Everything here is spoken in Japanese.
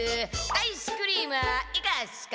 アイスクリームはいかがっすか？